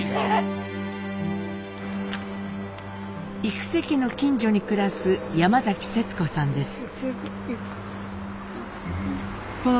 幾家の近所に暮らす山節子さんです。